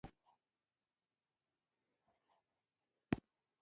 مرکب عبارت څو خیالونه لري.